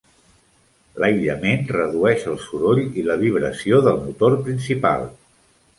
L'aïllament redueix el soroll i la vibració del motor principal.